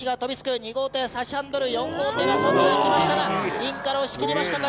２号艇差しハンドル４号艇が外へ行きましたがインから押し切りましたか